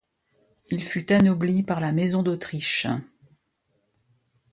Il fut anobli par la Maison d'Autriche.